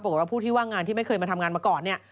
บอกว่าผู้ที่ว่างงานที่ไม่เคยมาทำงานมาก่อนเนี่ย